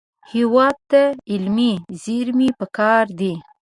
هېواد ته علمي زېرمې پکار دي